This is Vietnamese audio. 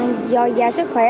giò già sức khỏe